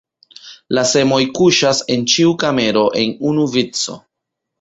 La semoj kuŝas en ĉiu kamero en unu vico.